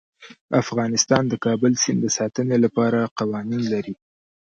افغانستان د کابل سیند د ساتنې لپاره قوانین لري.